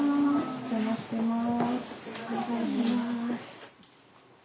お邪魔してます。